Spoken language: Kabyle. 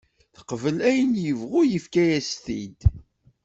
Teqbel ayen yebɣu yefka-as-t-id.